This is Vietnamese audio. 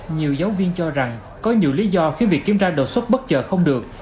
nhiều giáo viên cho rằng có nhiều lý do khiến việc kiểm tra đồ sốt bất chờ không được